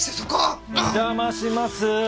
お邪魔します。